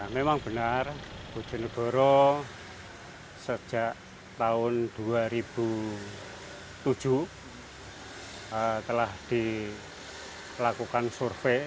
memang benar bojonegoro sejak tahun dua ribu tujuh telah dilakukan survei